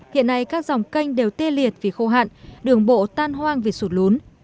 hiện nay các dòng canh đều tê liệt vì khô hạn đường bộ tan hoang vì sụt lún